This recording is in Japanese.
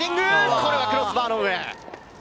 これはクロスバーの上。